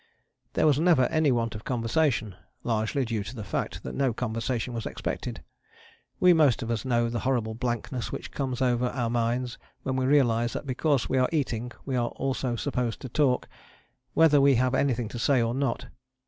There was never any want of conversation, largely due to the fact that no conversation was expected: we most of us know the horrible blankness which comes over our minds when we realize that because we are eating we are also supposed to talk, whether we have anything to say or not.